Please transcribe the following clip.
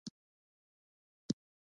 د فراه په قلعه کاه کې د سمنټو مواد شته.